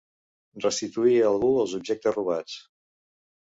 Restituir a algú els objectes robats.